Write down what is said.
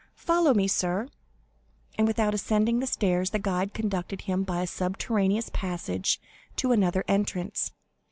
"Follow me, sir;" and without ascending the stairs the guide conducted him by a subterraneous passage to another entrance.